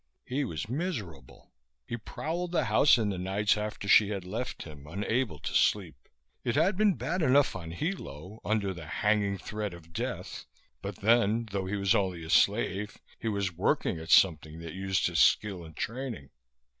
He was miserable. He prowled the house in the nights after she had left him, unable to sleep. It had been bad enough on Hilo, under the hanging threat of death. But then, though he was only a slave, he was working at something that used his skill and training.